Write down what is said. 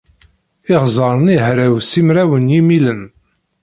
Iɣzer-nni hraw simraw n yimilen.